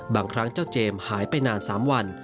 บางครั้งเจ้าเจมส์หายไปนาน๓วัน